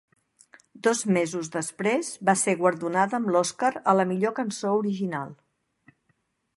Dos mesos després, va ser guardonada amb l'Oscar a la millor cançó original.